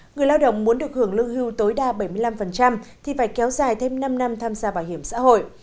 người lao động muốn được hưởng lương hưu tối đa bảy mươi năm thì phải kéo dài thêm năm năm tham gia bảo hiểm xã hội